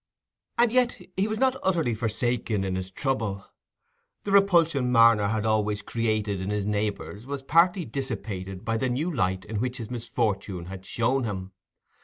And yet he was not utterly forsaken in his trouble. The repulsion Marner had always created in his neighbours was partly dissipated by the new light in which this misfortune had shown him.